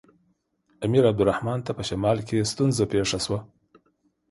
امیر عبدالرحمن خان ته په شمال کې ستونزه پېښه شوه.